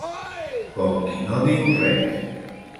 Com qui no diu res.